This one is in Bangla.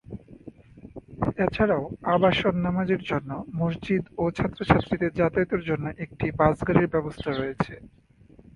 এছাড়াও আবাসন, নামাজের জন্য মসজিদ ও ছাত্র/ছাত্রীদের যাতায়াতের জন্য একটি বাস গাড়ির ব্যবস্থা রয়েছে।